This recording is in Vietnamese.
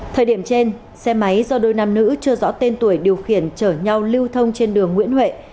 thời điểm trên xe máy do đôi nam nữ chưa rõ tên tuổi điều khiển chở nhau lưu thông trên đường nguyễn huệ